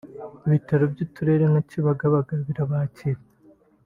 ibitaro by’uturere nka Kibagabaga birabakira